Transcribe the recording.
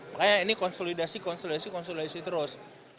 makanya ini konsolidasi konsolidasi konsolidasi terus